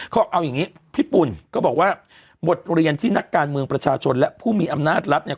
เขาเอาอย่างนี้พี่ปุ่นก็บอกว่าบทเรียนที่นักการเมืองประชาชนและผู้มีอำนาจรัฐเนี่ย